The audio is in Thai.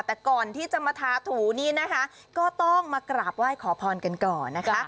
แต่ก่อนที่จะมาทาถูนี่นะคะก็ต้องมากราบไหว้ขอพรกันก่อนนะคะ